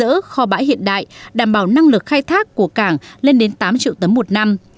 cảng đà nẵng có khóa bãi hiện đại đảm bảo năng lực khai thác của cảng lên đến tám triệu tấm một năm